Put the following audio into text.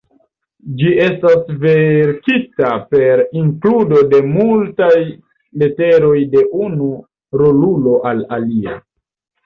Ĝi estas verkita per inkludo de multaj leteroj de unu rolulo al alia.